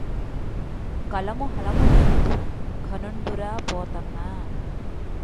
కలము హలములందు ఘనుండురా Pothanna